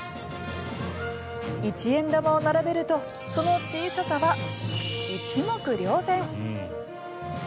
一円玉を並べるとその小ささは一目瞭然。